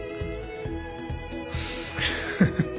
フフフフ。